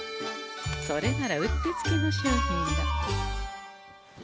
それならうってつけの商品が。